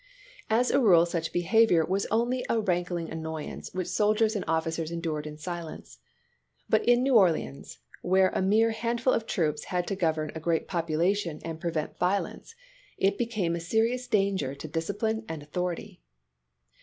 As a rule such behavior was only a rankling annoyance which soldiers and officers endured in silence. But in New Orleans, where a mere handful of troops had to govern a great population and x>revent violence, it became a serious danger to discipline and authority.